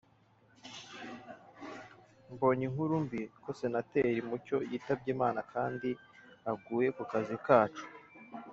“Mbonye inkuru mbi ko Senateri Mucyo yitabye Imana kandi aguye ku kazi kacu